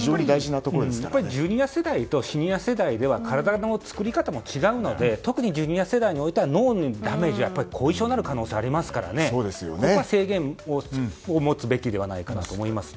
ジュニア世代とシニア世代では体の作り方も違うので特にジュニア世代においては脳のダメージは後遺症になる恐れがありますから制限を持つべきだと思いますね。